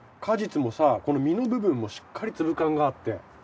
果実もさこの実の部分もしっかり粒感があって。